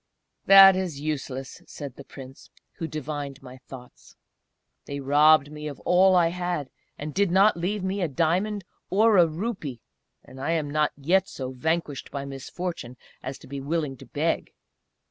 "That is useless," said the Prince, who devined my thoughts. "They robbed me of all I had, and did not leave me a diamond, or a rupee; and I am not yet so vanquished by misfortune as to be willing to beg!